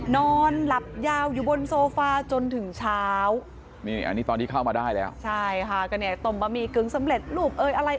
นอนหลับยาวอยู่บนโซฟาจนถึงเช้านี่อันนี้ตอนที่เข้ามาได้แล้วใช่ค่ะก็เนี่ยต้มบะหมี่กึ่งสำเร็จรูปเอ้ยอะไร